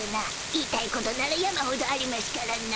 言いたいことなら山ほどありましゅからな。